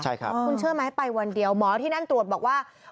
ใช่ครับคุณเชื่อไหมไปวันเดียวหมอที่นั่นตรวจบอกว่า